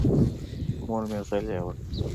مور مې غلې وه.